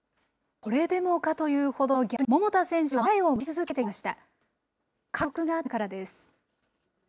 これでもかというほどの逆境にも、桃田選手は前を向き続けてきました。